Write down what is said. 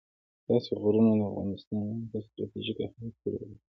ستوني غرونه د افغانستان په ستراتیژیک اهمیت کې رول لري.